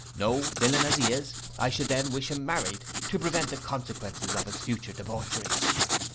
No, villain as he is, I should then wish him married, to prevent the consequences of his future debaucheries.